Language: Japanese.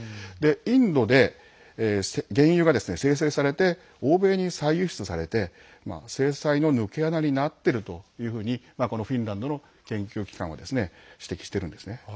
インドで原油が精製されて欧米に再輸出されて制裁の抜け穴になっているというふうにフィンランドの研究機関は指摘しているんですね。